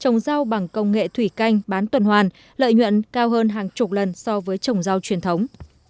trồng rau bằng công nghệ thủy canh bán tuần hoàn lợi nhuận cao hơn hàng chục lần so với trồng rau truyền thống